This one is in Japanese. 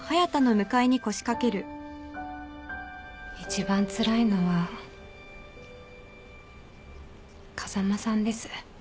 一番つらいのは風間さんです。